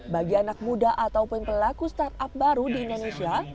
bagi anak muda ataupun pelaku startup baru di indonesia